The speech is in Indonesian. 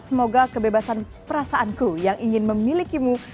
semoga kebebasan perasaanku yang ingin memilikimu